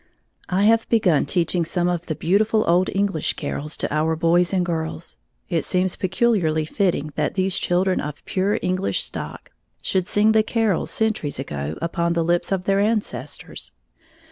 _ I have begun teaching some of the beautiful old English carols to our boys and girls, it seems peculiarly fitting that these children of pure English stock should sing the carols centuries ago upon the lips of their ancestors.